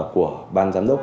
của ban giám đốc